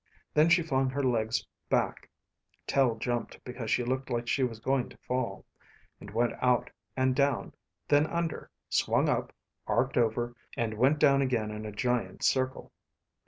Then she flung her legs back (Tel jumped because she looked like she was going to fall) and went out and down, then under, swung up, arced over, and went down again in a giant circle.